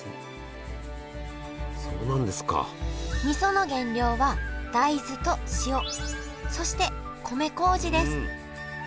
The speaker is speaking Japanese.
みその原料は大豆と塩そして米こうじです